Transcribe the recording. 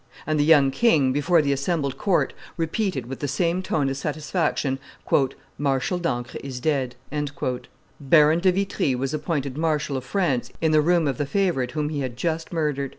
And the young king, before the assembled court, repeated with the same tone of satisfaction, "Marshal d'Ancre is dead." Baron de Vitry was appointed Marshal of France in the room of the favorite whom he had just murdered.